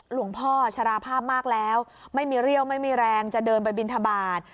หลวงพ่อชราภาพมากแล้วไม่มีเรี่ยวไม่มีแรงจะเดินไปบินทบาท